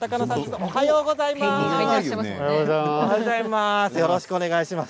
おはようございます。